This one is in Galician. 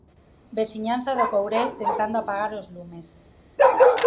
Veciñanza do Courel tentando apagar os lumes.